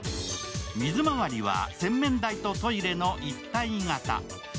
水回りは洗面台とトイレの一体型。